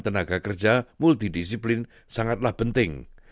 tenaga kerja multidisiplin sangatlah penting